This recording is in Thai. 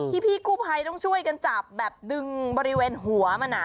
พี่กู้ภัยต้องช่วยกันจับแบบดึงบริเวณหัวมัน